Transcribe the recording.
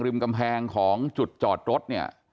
ริมกำแพงของจุดจอดรถเนี่ย